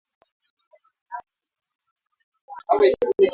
mke wa pili au Zaidi ofisi ya Malkia au ya Mama Malkia hufanya kazi